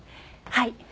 はい。